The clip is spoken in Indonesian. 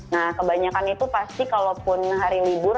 nah kebanyakan itu pasti kalau pun hari libur